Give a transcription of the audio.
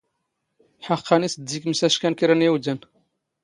ⵃⴰⵇⵇⴰⵏ ⵉⵙ ⴷ ⴷⵉⴽ ⵎⵙⴰⵛⴽⴰⵏ ⴽⵔⴰ ⵏ ⵉⵡⴷⴰⵏ.